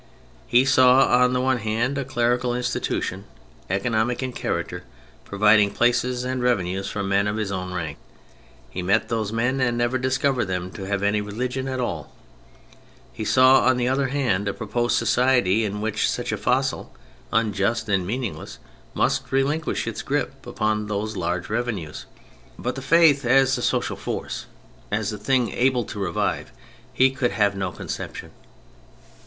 He saw on the one hand a clerical institution, economic in character, providing places and revenues for men of his own rank; he met those men and never discovered them to have any religion at all. He saw on the other hand a proposed society in which such a fossil, unjust and meaningless, must relinquish its grip upon those large revenues. But of the Faith 60 THE FRENCH REVOLUTION as a social force, as a thing able to revive, he could have no conception.